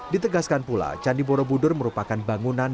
ditegaskan pula candi borobudur merupakan bangunan